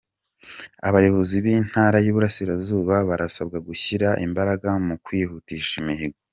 Abayobozi b’Intara y’Iburasirazuba barasabwa gushyira imbaraga mu kwihutisha imihigo